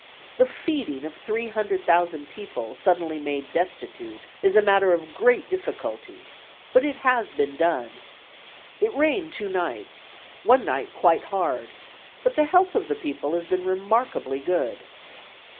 The feeding of 300,000 people suddenly made destitute is a matter of great difficulty, but it has been done. It rained two nights, one night quite hard, but the health of the people has been remarkably good.